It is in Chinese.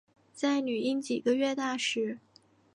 在女婴几个月大时